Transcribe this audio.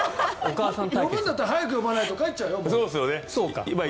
呼ぶんだったら早く呼ばないと帰っちゃうよ。